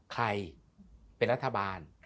ใครเป็นรัฐบาล